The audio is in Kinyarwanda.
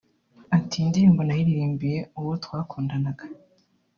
Ati “Iyi ni indirimbo nayiririmbiye uwo twakundanaga